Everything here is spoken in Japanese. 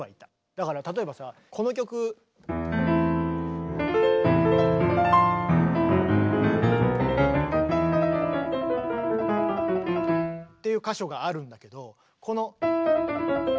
だから例えばさこの曲。っていう箇所があるんだけどこの。